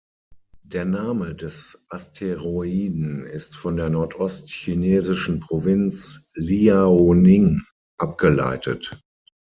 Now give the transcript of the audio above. Der Name des Asteroiden ist von der nordost-chinesischen Provinz Liaoning abgeleitet.